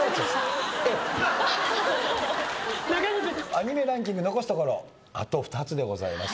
アニメランキング残すところあと２つでございます。